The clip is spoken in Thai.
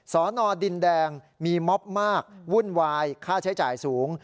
สอนอดินแดงมีม็อบมากวุ่นวายค่าใช้จ่ายสูง